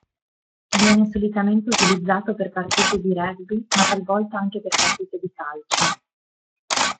Viene solitamente utilizzato per partite di rugby ma talvolta anche per partite di calcio.